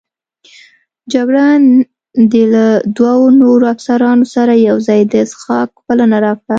جګړن د له دوو نورو افسرانو سره یوځای د څښاک بلنه راکړه.